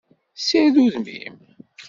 Sired udem-im!